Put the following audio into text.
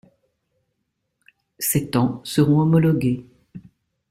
Ces temps seront homologués.